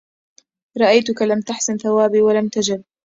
رأيتك لم تحسن ثوابي ولم تجب